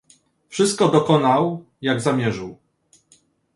"Wszystko dokonał jak zamierzył."